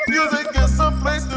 kami akan bantu